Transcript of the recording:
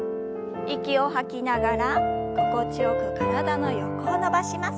息を吐きながら心地よく体の横を伸ばします。